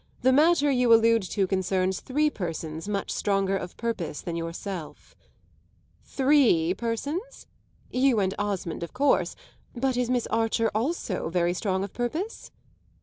The matter you allude to concerns three persons much stronger of purpose than yourself." "Three persons? You and Osmond of course. But is Miss Archer also very strong of purpose?"